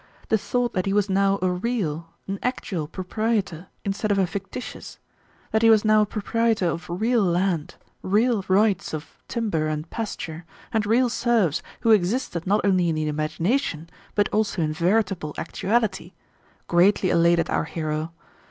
The thought that he was now a real, an actual, proprietor instead of a fictitious that he was now a proprietor of real land, real rights of timber and pasture, and real serfs who existed not only in the imagination, but also in veritable actuality greatly elated our hero.